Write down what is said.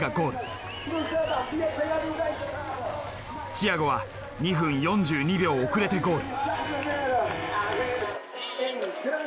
チアゴは２分４２秒遅れてゴール。